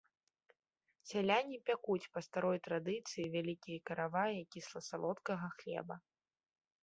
Сяляне пякуць па старой традыцыі вялікія караваі кісла-салодкага хлеба.